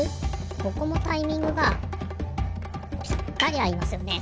ここもタイミングがぴったりあいますよね。